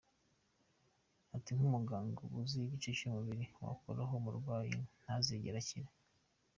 Ati “Nk’umuganga uba uzi igice cy’umubiri wakoraho umurwayi ntazigere akira.